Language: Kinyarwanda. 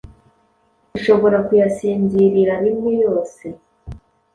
Ushobora kuyasinzirira rimwe yose